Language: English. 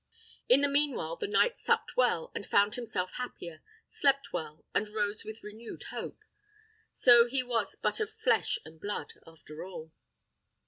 In the mean while the knight supped well, and found himself happier; slept well, and rose with renewed hope. So he was but of flesh and blood, after all.